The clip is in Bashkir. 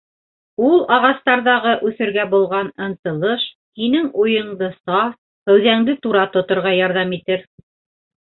Ул ағастарҙағы үҫергә булған ынтылыш һинең уйынды саф, кәүҙәңде тура тоторға ярҙам итер.